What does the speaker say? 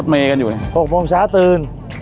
๖โมงเช้าตื่น